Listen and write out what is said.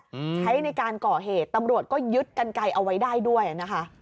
ใช้ในการก่อเหตุตำรวจก็ยึดกันไกลเอาไว้ได้ด้วยอ่ะนะคะ